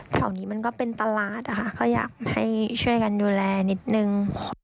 แถวนี้มันก็เป็นตลาดนะคะก็อยากให้ช่วยกันดูแลนิดนึง